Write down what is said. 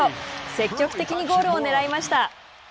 積極的にゴールをねらいました。